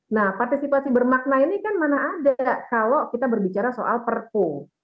nah partisipasi bermakna ini kan mana ada kalau kita berbicara soal perpu